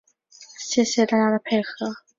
谢谢大家的配合